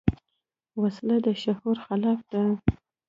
وسله د شعور خلاف ده